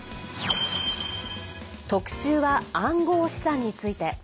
特集は、暗号資産について。